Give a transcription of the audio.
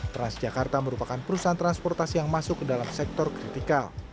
transjakarta merupakan perusahaan transportasi yang masuk ke dalam sektor kritikal